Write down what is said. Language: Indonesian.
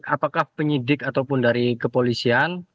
apakah penyidik ataupun dari kepolisian